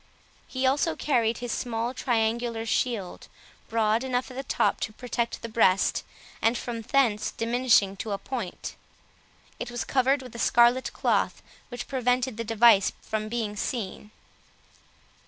He also carried his small triangular shield, broad enough at the top to protect the breast, and from thence diminishing to a point. It was covered with a scarlet cloth, which prevented the device from being seen.